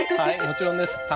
はいもちろんです。